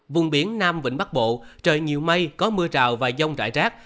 vùng biển nam vịnh bắc bộ trời nhiều mây có mưa rào và dông rải rác